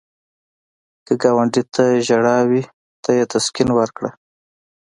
که ګاونډي ته ژړا وي، ته یې تسکین ورکړه